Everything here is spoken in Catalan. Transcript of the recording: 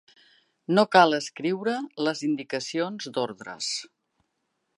No cal escriure les indicacions d'ordres.